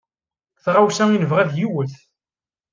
Taɣawsa i nebɣa d yiwet.